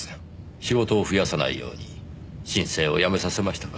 仕事を増やさないように申請をやめさせましたか？